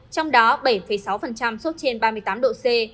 trong đó bảy sáu sốt trên ba mươi tám độ c